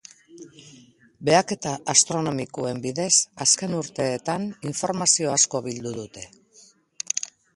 Behaketa astronomikoen bidez, azken urteetan, informazio asko bildu dute.